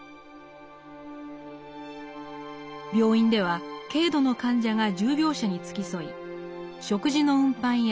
病院では軽度の患者が重病者に付き添い食事の運搬や掃除